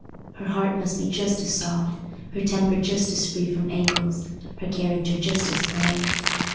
Her heart must be just as soft, her temper just as free from angles, her character just as pliant.